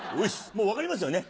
もう分かりますよね？